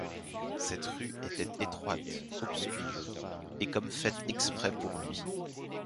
Cette rue était étroite, obscure, et comme faite exprès pour lui.